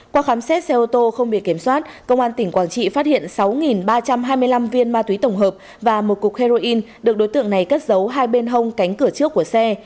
qua khám xét xe ô tô không bị kiểm soát công an tỉnh quảng trị phát hiện sáu ba trăm hai mươi năm viên ma túy tổng hợp và một cục heroin được đối tượng này cất giấu hai bên hông cánh cửa trước của xe